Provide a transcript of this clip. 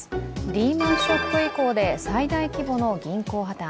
リーマン・ショック以降で最大規模の銀行破綻。